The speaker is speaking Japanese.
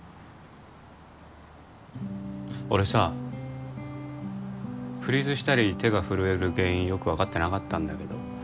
俺さフリーズしたり手が震える原因よく分かってなかったんだけど